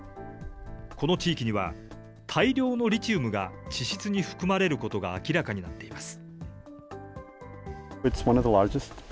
この地域には大量のリチウムが地質に含まれることが明らかになっています。